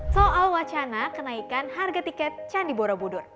soal wacana kenaikan harga tiket candi borobudur